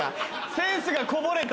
センスがこぼれた？